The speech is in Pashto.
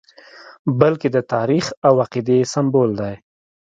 بلکې د تاریخ او عقیدې سمبول دی.